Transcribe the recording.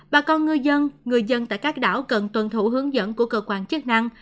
bà con ngư dân người dân tại các đảo cần tuân thủ hướng dẫn của cơ quan chức năng